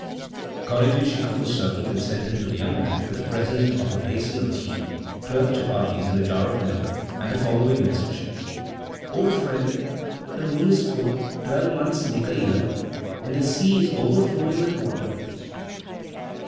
Accordingly she called a servant and sent him to the young man with a present of a basin of ghee, twelve chapatis, and a jar of milk, and the following message: "O friend, the moon is full; twelve months make a year, and the sea is overflowing with water."